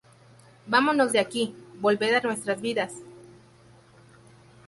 Vámonos de aquí. Volved a vuestras vidas.